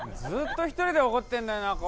ずっと１人で怒ってんだよな